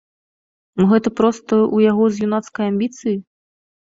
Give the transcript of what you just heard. Мо гэта проста ў яго з юнацкай амбіцыі?